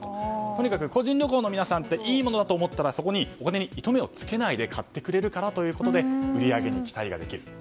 とにかく個人旅行の皆さんはいいものだと思ったらお金に糸目をつけずに買ってくれるので売り上げに期待ができると。